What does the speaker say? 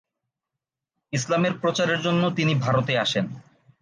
ইসলামের প্রচারের জন্য তিনি ভারতে আসেন।